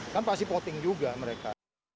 kan pasti voting juga mereka